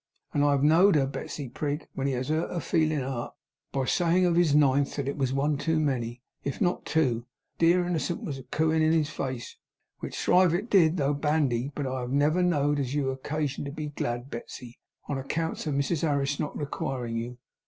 And I have know'd her, Betsey Prig, when he has hurt her feelin' art by sayin' of his Ninth that it was one too many, if not two, while that dear innocent was cooin' in his face, which thrive it did though bandy, but I have never know'd as you had occagion to be glad, Betsey, on accounts of Mrs Harris not requiring you.